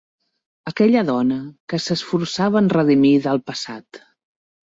Aquella dona que s'esforçava en redimir del passat.